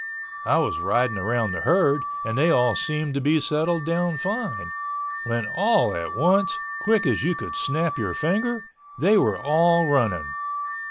I was riding around the herd and they all seemed to be settled down fine, when all at once, quick as you could snap your finger, they were all running.